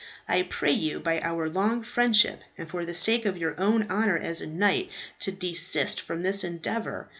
I pray you, by our long friendship, and for the sake of your own honour as a knight, to desist from this endeavour.